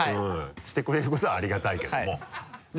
してくれる事はありがたいけどもはい。